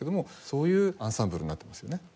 そういうアンサンブルになってますよね。